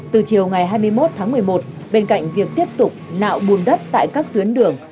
từ chiều ngày hai mươi một tháng một mươi một bên cạnh việc tiếp tục nạo bùn đất tại các tuyến đường